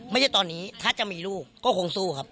ไม่ใช่ตอนนี้ถ้าจะมีลูกก็คงสู้ครับ